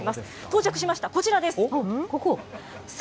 到着しました、こちらです。